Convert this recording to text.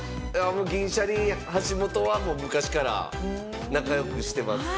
銀シャリ・橋本は昔から仲良くしてます。